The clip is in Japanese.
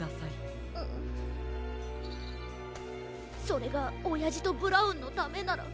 それがおやじとブラウンのためなら。